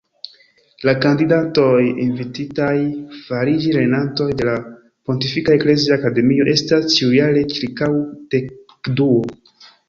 La kandidatoj invititaj fariĝi lernantoj de la Pontifika Eklezia Akademio estas ĉiujare ĉirkaŭ dekduo.